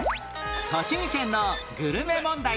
栃木県のグルメ問題